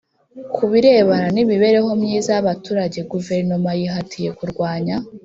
Ku birebana n imibereho myiza y abaturage Guverinoma yihatiye kurwanya